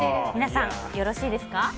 皆さん、よろしいですか？